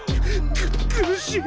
くっ苦しい。